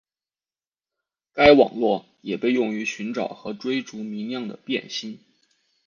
该网络也被用于寻找和追逐明亮的变星。